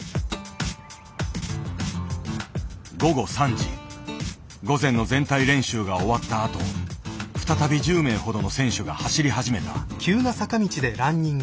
午後３時午前の全体練習が終わったあと再び１０名ほどの選手が走り始めた。